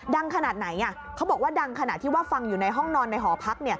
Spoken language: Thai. ขนาดไหนเขาบอกว่าดังขนาดที่ว่าฟังอยู่ในห้องนอนในหอพัก